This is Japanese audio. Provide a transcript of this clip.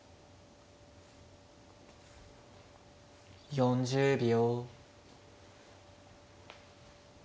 ４０秒。